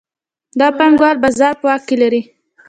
دا پانګوال بازار په واک کې لري